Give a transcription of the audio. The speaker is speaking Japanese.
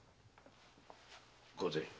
御前